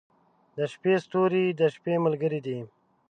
• د شپې ستوري د شپې ملګري دي.